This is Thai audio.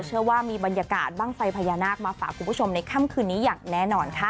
เชื่อว่ามีบรรยากาศบ้างไฟพญานาคมาฝากคุณผู้ชมในค่ำคืนนี้อย่างแน่นอนค่ะ